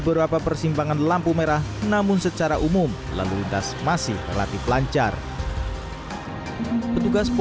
beberapa persimpangan lampu merah namun secara umum lalu lintas masih relatif lancar petugas